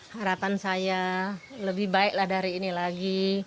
harapan saya lebih baik lah dari ini lagi